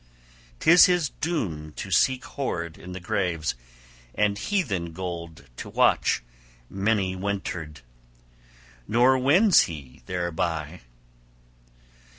'Tis his doom to seek hoard in the graves, and heathen gold to watch, many wintered: nor wins he thereby!